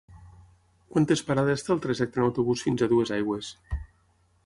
Quantes parades té el trajecte en autobús fins a Duesaigües?